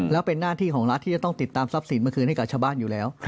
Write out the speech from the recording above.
แล้วเป็นหน้าที่ของรัฐที่จะต้องติดตามทรัพย์สินมาคืนให้กับชาวบ้านอยู่แล้ว